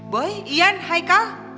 boy ian haikal